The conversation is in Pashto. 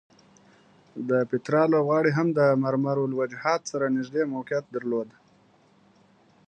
د پیترا لوبغالی هم د ممر الوجحات سره نږدې موقعیت درلود.